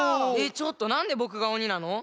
ちょっとなんでぼくがおになの？